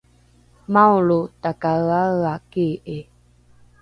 maolro takaeaea kii’i